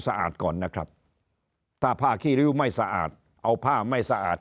อาจก่อนนะครับถ้าผ้าขี้ริ้วไม่สะอาดเอาผ้าไม่สะอาด